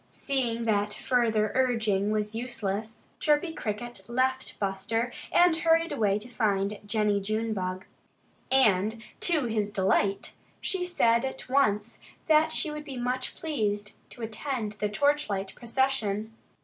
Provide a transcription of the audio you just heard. Seeing that further urging was useless, Chirpy Cricket left Buster and hurried away to find Jennie Junebug. And to his delight, she said at once that she would be much pleased to attend the torchlight procession.